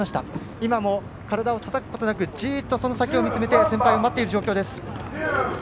今も体をたたくことなくじっとその先を見つめて先輩を待っている状況です。